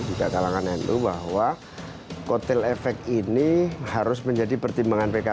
kita kalahkan itu bahwa kotel efek ini harus menjadi pertimbangan pkb